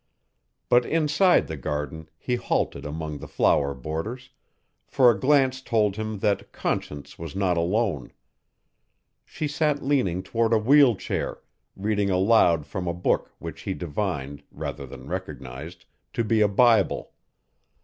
But inside the garden he halted among the flower borders, for a glance told him that Conscience was not alone. She sat leaning toward a wheel chair, reading aloud from a book which he divined, rather than recognized, to be a Bible.